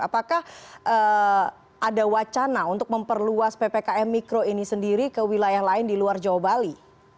apakah ada wacana untuk memperluas ppkm mikro ini sendiri ke wilayah lain di luar jawa bali